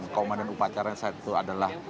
komandan upacara yang satu adalah